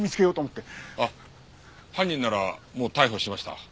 あっ犯人ならもう逮捕しました。